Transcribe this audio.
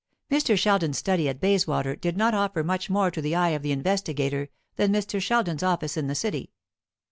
Mr. Sheldon's study at Bayswater did not offer much more to the eye of the investigator than Mr. Sheldon's office in the City.